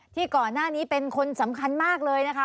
ที่ก่อนหน้านี้เป็นคนสำคัญมากเลยนะคะ